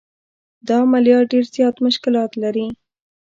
دا عملیات ډېر زیات مشکلات لري.